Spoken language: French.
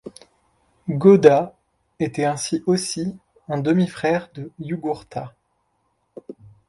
Gauda était ainsi aussi un demi-frère de Jugurtha.